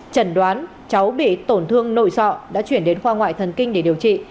trần đoán cháu bị tổn thương nội sọ đã chuyển đến khoa ngoại thần kinh để điều trị